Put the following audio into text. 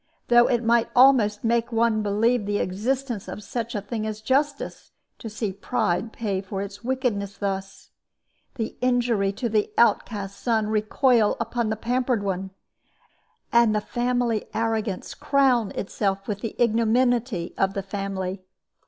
Though it might almost make one believe the existence of such a thing as justice to see pride pay for its wickedness thus the injury to the outcast son recoil upon the pampered one, and the family arrogance crown itself with the ignominy of the family.